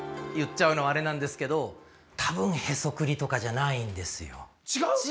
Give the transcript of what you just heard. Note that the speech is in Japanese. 言っちゃうのはあれなんですけど多分へそくりとかじゃないんですよ。